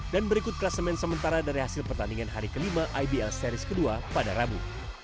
dan berikut klasemen sementara dari hasil pertandingan hari ke lima ibl series ke dua pada rabu